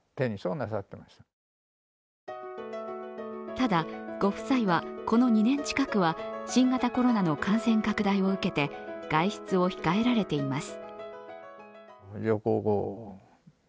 ただ、ご夫妻はこの２年近くは新型コロナの感染拡大を受けて外出を控えられています。